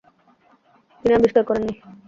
তিনি আবিষ্কার করেন নি।